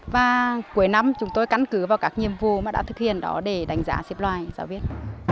và cuối năm chúng tôi cắn cứ vào các nhiệm vụ mà đã thực hiện đó để đánh giá xếp loài giáo viên